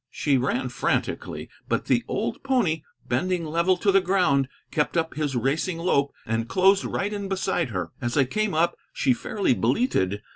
She ran frantically, but the old pony, bending level to the ground, kept up his racing lope and closed right in beside her. As I came up she fairly bleated.